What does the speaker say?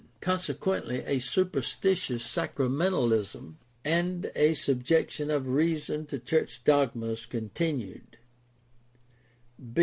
Conse quently a superstitious sacramentalism and a subjection of reason to church dogmas continued.